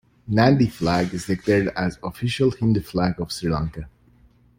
Nandi flag is declared as the official Hindu flag of Sri Lanka.